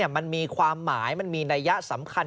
มันมีความหมายมันมีนัยยะสำคัญ